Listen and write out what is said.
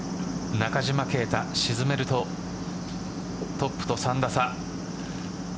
中島啓太、沈めるとトップと３打差。